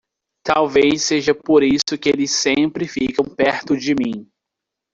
Talvez seja por isso que eles sempre ficam perto de mim.